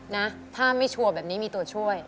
นะป้ามิโชว่แบบนี้มีตัวช่วย